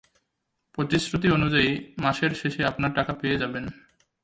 প্রতিশ্রুতি অনুযায়ী, মাসের শেষে আপনার টাকা পেয়ে যাবেন।